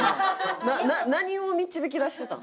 何を導き出してたん？